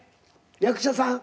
役者さん。